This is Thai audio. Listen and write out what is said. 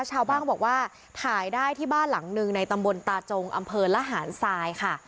ชาวบ้านบอกว่าถ่ายได้ที่บ้านหลังหนึ่งในตำบลตาจงอำเภอละหารทรายค่ะ